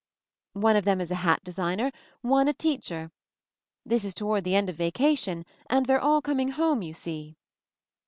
"One of them is a hat designer, one a teacher. This is toward the end of vacation, and they're all coming home, you see."